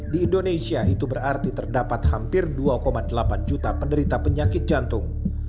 di indonesia itu berarti terdapat hampir dua delapan juta penderita penyakit jantung